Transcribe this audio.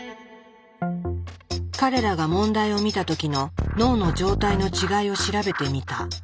彼らが問題を見た時の脳の状態の違いを調べてみた。